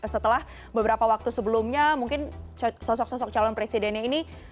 setelah beberapa waktu sebelumnya mungkin sosok sosok calon presidennya ini